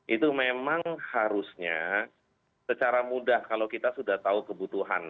itu memang harusnya secara mudah kalau kita sudah tahu kebutuhan